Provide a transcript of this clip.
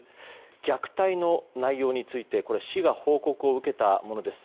虐待の内容について市が報告を受けたものです。